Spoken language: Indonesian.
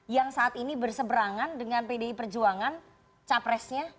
yang saat ini berseberangan dengan pdi perjuangan capresnya